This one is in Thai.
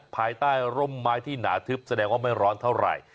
ภายใต้ร่มไม้ที่หนาทึบแสดงว่าไม่ร้อนเท่าไหร่